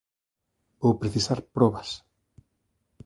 Vou precisar probas.